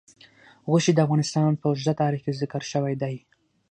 غوښې د افغانستان په اوږده تاریخ کې ذکر شوی دی.